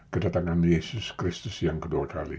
kedatangan yesus kristus yang kedua